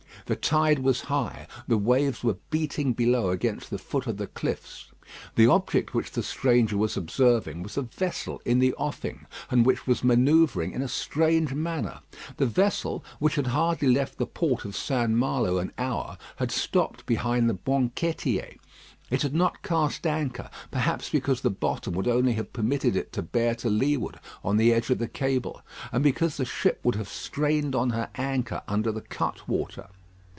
The tide was high; the waves were beating below against the foot of the cliffs. The object which the stranger was observing was a vessel in the offing, and which was manoeuvring in a strange manner. The vessel, which had hardly left the port of St. Malo an hour, had stopped behind the Banquetiers. It had not cast anchor, perhaps because the bottom would only have permitted it to bear to leeward on the edge of the cable, and because the ship would have strained on her anchor under the cutwater.